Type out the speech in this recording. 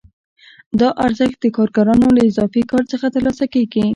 دا ارزښت د کارګرانو له اضافي کار څخه ترلاسه کېږي